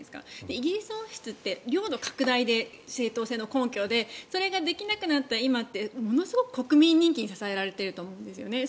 イギリス王室って領土拡大が正統性の根拠でそれができなくなった今はものすごく国民人気に支えられていると思うんです。